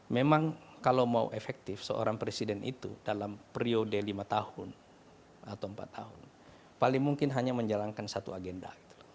memang kalau mau efektif seorang presiden itu dalam periode lima tahun atau empat tahun paling mungkin hanya menjalankan satu agenda